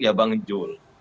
ya bang jul